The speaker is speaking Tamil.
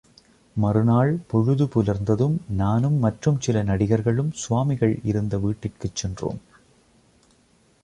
மறுநாள் பொழுது புலர்ந்ததும் நானும் மற்றும் சில நடிகர்களும் சுவாமிகள் இருந்தவீட்டிற்குச்சென்றோம்.